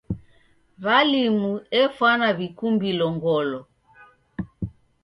W'alimu efwana w'ikumbilo ngolo.